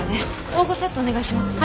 縫合セットお願いします。